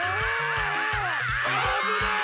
あぶない！